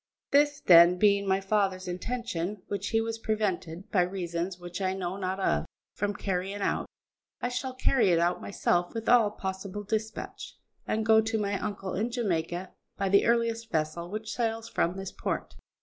This, then, being my father's intention, which he was prevented, by reasons which I know not of, from carrying out, I shall carry it out myself with all possible dispatch, and go to my uncle in Jamaica by the earliest vessel which sails from this port.